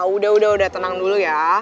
udah udah tenang dulu ya